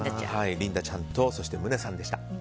リンダちゃんと宗さんでした。